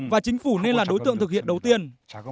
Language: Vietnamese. và chính phủ nên là đối tượng thực hiện đầu tiên